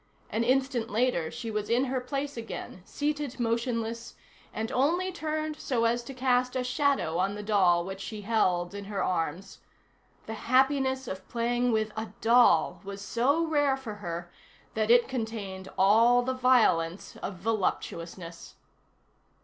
An instant later she was in her place again, seated motionless, and only turned so as to cast a shadow on the doll which she held in her arms. The happiness of playing with a doll was so rare for her that it contained all the violence of voluptuousness.